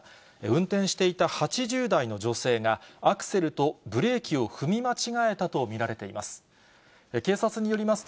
運転していた８０代の女性が、アクセルとブレーキを踏み間違えたと見られています。